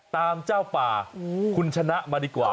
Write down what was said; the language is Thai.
ตามเจ้าป่าคุณชนะมาดีกว่า